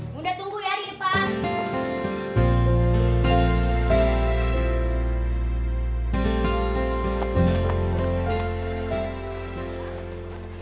bunda tunggu ya di depan